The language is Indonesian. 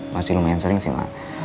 masih lumayan sering sih mas